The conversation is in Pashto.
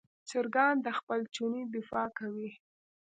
چرګان د خپل چوڼې دفاع کوي.